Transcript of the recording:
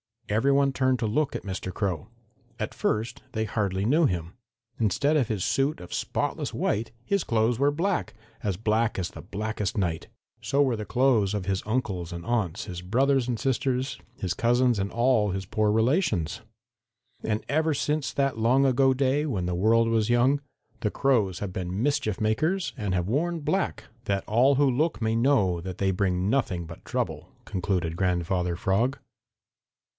"Every one turned to look at Mr. Crow. At first they hardly knew him. Instead of his suit of spotless white his clothes were black, as black as the blackest night. So were the clothes of his uncles and aunts, his brothers and sisters, his cousins and all his poor relations. "And ever since that long ago day, when the world was young, the Crows have been mischief makers and have worn black, that all who look may know that they bring nothing but trouble," concluded Grandfather Frog.